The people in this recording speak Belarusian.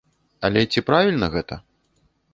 Але ці правільна гэта?